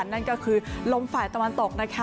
นั่นก็คือลมฝ่ายตะวันตกนะคะ